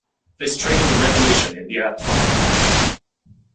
This triggered a revolution in the earth sciences.